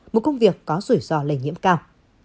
một công việc có rủi ro lây nhiễm cao